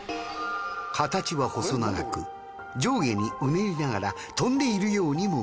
形は細長く上下にうねりながら飛んでいるようにも見える。